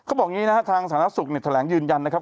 เขาบอกอย่างนี้นะครับทางศาลนักศึกษ์เนี่ยแถลงยืนยันนะครับ